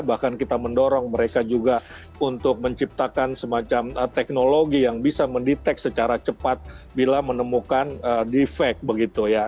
bahkan kita mendorong mereka juga untuk menciptakan semacam teknologi yang bisa mendeteksi secara cepat bila menemukan defect begitu ya